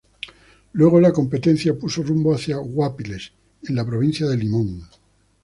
Luego la competencia puso rumbo hacia Guápiles en la provincia de Limón.